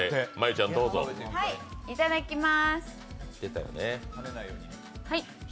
いただきまーす。